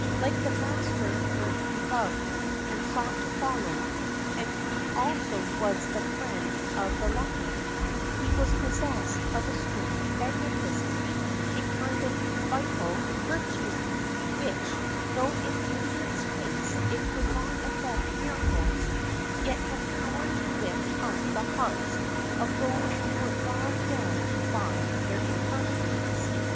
Like the Master whom he loved and sought to follow, and who also was the Friend of the leper, he was possessed of a strange magnetism — a kind of vital "virtue" — which, though in Damien's case it could not effect miracles, yet had power to lift up the hearts of those who were bowed down by their infirmities.